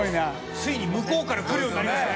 ついに向こうから来るようになりましたね。